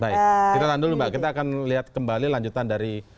baik kita tahan dulu mbak kita akan lihat kembali lanjutan dari